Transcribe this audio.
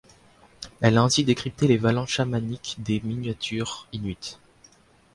Elle a ainsi décrypté les valences chamaniques des miniatures inuit.